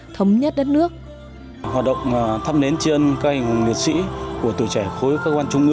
thống nhất đất nước họa động thắp nến chi ân các anh hùng liệt sĩ của tuổi trẻ khối các quan trung